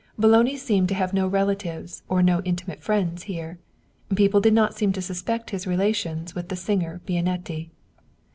Boloni seemed to have no relatives or no intimate friends here. People did not seem to suspect his relations with the singer Bianetti.